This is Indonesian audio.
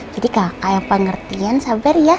jadi kakak yang paling ngertian sabar ya